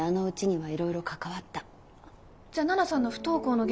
はい。